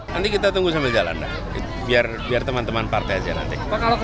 nanti kita tunggu sama jalan dah biar teman teman partai aja nanti